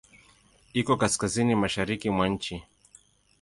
Iko kaskazini-mashariki mwa nchi.